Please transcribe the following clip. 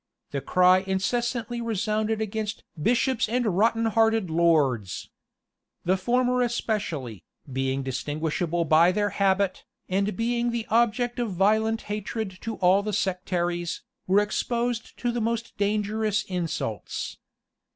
The cry incessantly resounded against "bishops and rotten hearted lords."[] The former especially, being distinguishable by their habit, and being the object of violent hatred to all the sectaries, were exposed to the most dangerous insults.